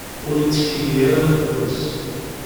Ur ittektili ara lehḍur-is.